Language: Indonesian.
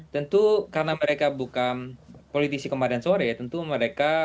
tentu karena mereka bukan politisi kemarin sore tentu mereka